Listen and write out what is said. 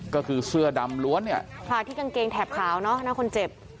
ก็คือเสื้อดำล้วนเนี่ยค่ะที่กางเกงแถบขาวเนอะนะคนเจ็บ